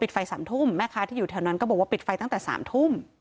ไฟ๓ทุ่มแม่ค้าที่อยู่แถวนั้นก็บอกว่าปิดไฟตั้งแต่๓ทุ่ม